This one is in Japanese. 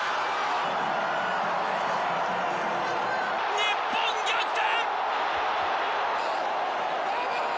日本逆転。